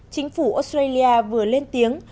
chính phủ australia vừa lên tiếng